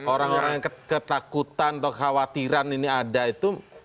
orang orang yang ketakutan atau kekhawatiran ini ada itu